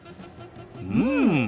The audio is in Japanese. うん。